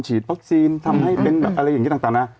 ฉีดวัคซีนทำให้เป็นแบบอะไรอย่างนี้ต่างนะ